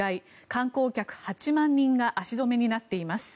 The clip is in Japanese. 観光客８万人が足止めになっています。